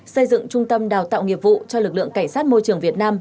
xây dựng trung tâm đào tạo nghiệp vụ cho lực lượng cảnh sát môi trường việt nam